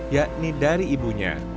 yakni dari ibunya